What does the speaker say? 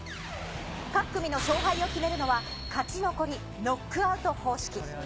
各組の勝敗を決めるのは勝ち残りノックアウト方式。